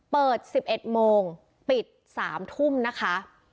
เปิด๑๑โมงปิด๓ทุ่มนะคะ